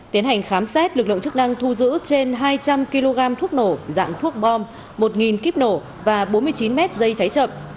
tiến hành khám xét lực lượng chức năng thu giữ trên hai trăm linh kg thuốc nổ dạng thuốc bom một kíp nổ và bốn mươi chín mét dây cháy chậm